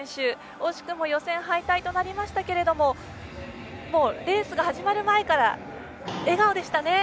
惜しくも予選敗退となりましたがレースが始まる前から笑顔でしたね。